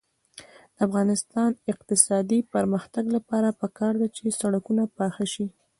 د افغانستان د اقتصادي پرمختګ لپاره پکار ده چې سړکونه پاخه شي.